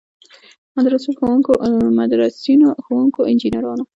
مدرسینو، ښوونکو، انجنیرانو.